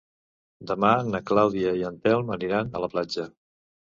Demà na Clàudia i en Telm aniran a la platja.